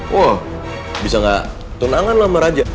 wah bisa gak tunangan lo sama raja